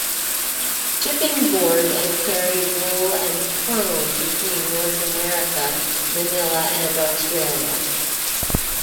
Shipping Board and carried wool and chrome between North America, Manila and Australia.